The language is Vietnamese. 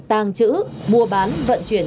tàng trữ mua bán vận chuyển